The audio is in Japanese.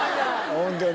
ホントに。